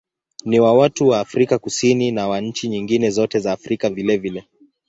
Ni wa watu wa Afrika Kusini na wa nchi nyingine zote za Afrika vilevile.